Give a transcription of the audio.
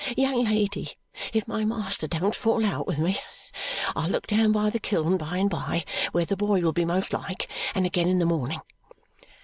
Young lady, if my master don't fall out with me, I'll look down by the kiln by and by, where the boy will be most like, and again in the morning!"